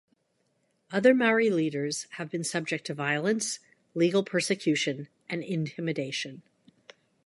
Other Mari leaders have been subject to violence, legal persecution and intimidation.